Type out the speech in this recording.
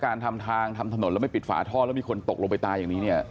การทำทางทำถนนแล้วไม่ปิดฝาท่อแล้วมีคนตกลงไปตายอย่างนี้เนี่ย